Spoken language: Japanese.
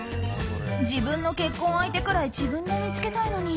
自分の結婚相手くらい自分で見つけたいのに